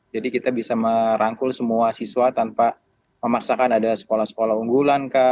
jadi kita bisa merangkul semua siswa tanpa memaksakan ada sekolah sekolah unggulan